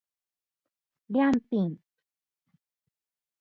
りゃんぴん